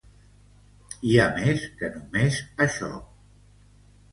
Hi ha més que només això.